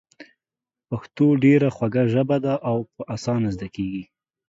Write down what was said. پښتو ډېره خوږه ژبه ده او په اسانه زده کېږي.